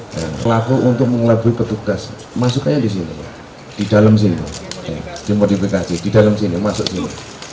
berlaku untuk mengelabui petugas masuknya di sini di dalam sini dimodifikasi di dalam sini masuk sini